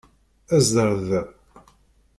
Aẓ-d ar da!